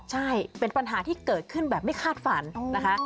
ใช่เป็นปัญหาที่เกิดขึ้นแบบไม่คาดฝันนะคะ